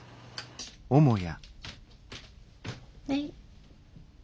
はい。